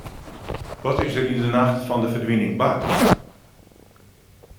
Wat is der yn 'e nacht fan de ferdwining bard?